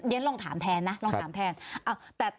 เดี๋ยวลองถามแทนนะ